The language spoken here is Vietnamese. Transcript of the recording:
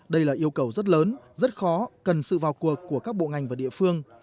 đây là yêu cầu rất lớn rất khó cần sự vào cuộc của các bộ ngành và địa phương